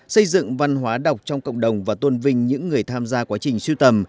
xây dựng văn hóa đọc trong cộng đồng và tôn vinh những người tham gia quá trình siêu tầm